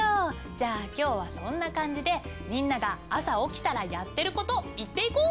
じゃあ今日はそんな感じでみんなが朝起きたらやってること言っていこう！